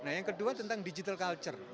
nah yang kedua tentang digital culture